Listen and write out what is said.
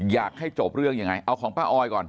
อยากให้จบเรื่องยังไงเอาของป้าออยก่อน